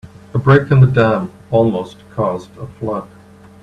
A break in the dam almost caused a flood.